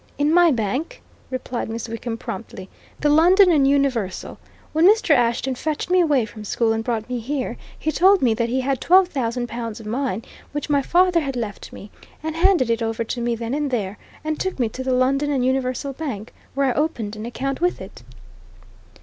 "In my bank," replied Miss Wickham promptly. "The London and Universal. When Mr. Ashton fetched me away from school and brought me here, he told me that he had twelve thousand pounds of mine which my father had left me, and he handed it over to me then and there, and took me to the London and Universal Bank, where I opened an account with it."